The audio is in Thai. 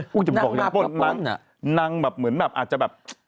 คือนางมาป้นเหมือนอาจจะแบบ